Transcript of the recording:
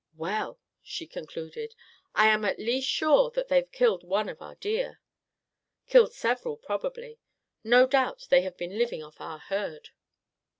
"Well," she concluded, "I am at least sure that they've killed one of our deer; killed several, probably. No doubt they have been living off our herd."